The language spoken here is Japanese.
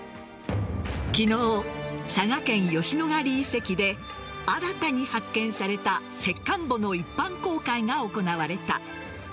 昨日、佐賀県吉野ヶ里遺跡で新たに発見された石棺墓の一般公開が行われた。